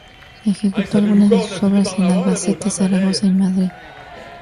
Ejecutó algunas de sus obras en Albacete, Zaragoza y Madrid.